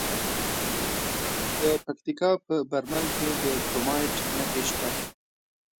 د پکتیکا په برمل کې د کرومایټ نښې شته.